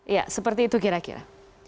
ya seperti itu kira kira